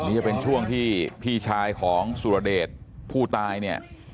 นี่จะเป็นช่วงที่พี่ชายของสุรเดชผู้ตายเนี่ย